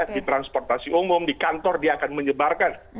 di transportasi umum di kantor dia akan menyebarkan